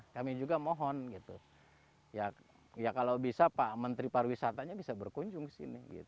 kami juga mohon gitu ya kalau bisa pak menteri pariwisatanya bisa berkunjung ke sini